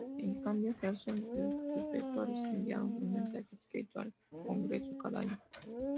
En cambio, Jefferson y sus sucesores enviaron un mensaje escrito al Congreso cada año.